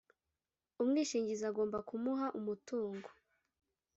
umwishingizi agomba kumuha umutungo